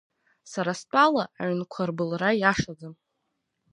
Сара стәала, аҩнқәа рбылра иашаӡам.